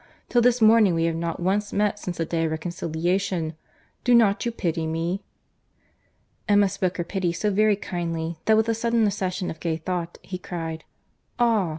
—Till this morning, we have not once met since the day of reconciliation. Do not you pity me?" Emma spoke her pity so very kindly, that with a sudden accession of gay thought, he cried, "Ah!